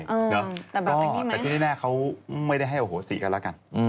แต่แบบแบบนี้ไหมครับแต่ที่นี่แน่เขาไม่ได้ให้โอโหสีกันละกัน